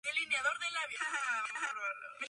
Sus restos yacen en la ciudad de Nueva York.